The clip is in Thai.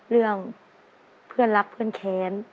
เรื่องเพื่อนรักเพื่อนแค้น